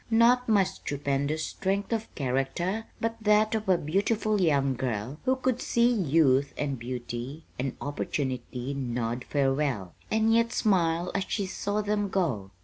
Not my stupendous strength of character, but that of a beautiful young girl who could see youth and beauty and opportunity nod farewell, and yet smile as she saw them go.